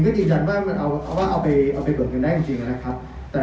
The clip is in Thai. ก็ยืนยันว่าเอาไปเบิกเงินได้จริงนะครับ